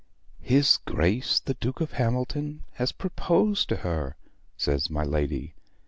"His Grace the Duke of Hamilton has proposed to her," says my lady.